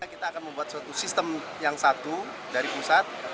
kita akan membuat suatu sistem yang satu dari pusat